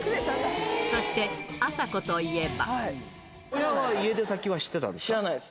そして、あさこといえば。